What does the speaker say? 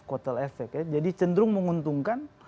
total effect ya jadi cenderung menguntungkan